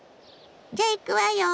じゃいくわよ。